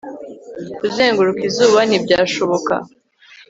kuzenguruka izuba ntibyashoboka